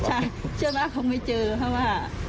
ใช่เชื่อว่าคงไม่เจอเพราะว่า